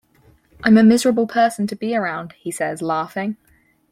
'I'm a miserable person to be around,' he says, laughing.